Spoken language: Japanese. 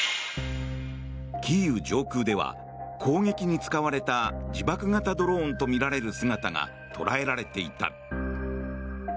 キーウ上空では、攻撃に使われた自爆型ドローンとみられる姿が捉えられていた。